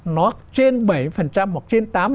nó trên bảy mươi hoặc trên tám mươi